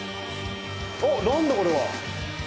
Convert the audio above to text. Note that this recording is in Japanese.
あっ何だこれは？